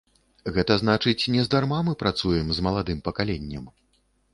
Гэта значыць, нездарма мы працуем з маладым пакаленнем.